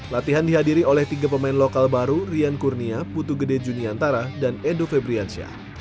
latihan dihadiri oleh tiga pemain lokal baru rian kurnia putu gede juniantara dan edo febriansyah